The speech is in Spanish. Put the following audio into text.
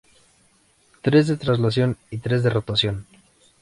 Tres de traslación y tres de rotación.